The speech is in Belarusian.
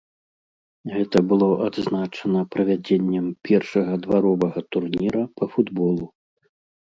Гэта было адзначана правядзеннем першага дваровага турніра па футболу.